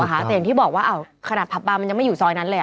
ถูกต้องแต่อย่างที่บอกว่าอ่าวขนาดพับบ้านมันจะไม่อยู่ซอยนั้นเลยอ่ะ